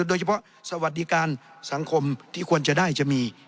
โดยเฉพาะสวัสดิการสังคมที่ควรจะได้จะมี